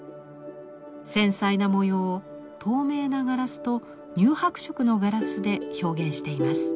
繊細な模様を透明なガラスと乳白色のガラスで表現しています。